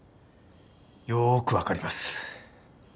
よーくわかります。